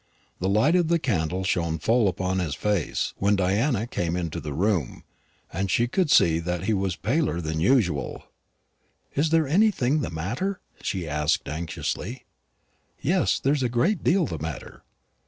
The light of the candle shone full upon his face when Diana came into the room, and she could see that he was paler than usual. "Is there anything the matter?" she asked anxiously. "Yes; there is a great deal the matter.